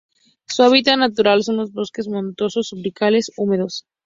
Su hábitat natural son los bosques montanos subtropicales húmedos.